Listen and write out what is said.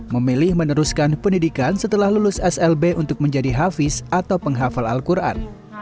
memilih meneruskan pendidikan setelah lulus slb untuk menjadi hafiz atau penghafal al quran